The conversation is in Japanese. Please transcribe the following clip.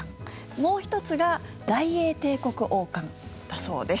もう１つが大英帝国王冠だそうです。